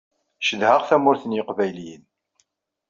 Cedhaɣ tamurt n Yiqbayliyen.